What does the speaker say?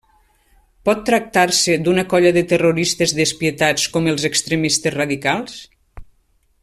Pot tractar-se d'una colla de terroristes despietats com els extremistes radicals?